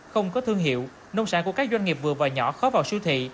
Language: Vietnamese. không có thương hiệu nông sản của các doanh nghiệp vừa và nhỏ khó vào siêu thị